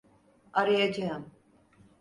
Arayacağım.